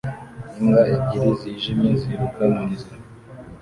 Imbwa ebyiri zijimye ziruka munzira